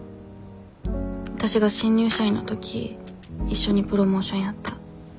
わたしが新入社員の時一緒にプロモーションやった。